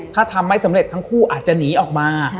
ถ้าทำไม่สำเร็จทั้งคู่อาจจะหนีออกมา